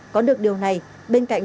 có được điều này bên cạnh